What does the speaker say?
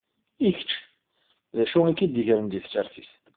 I kečč, d acu i k-id-igren di tessirt?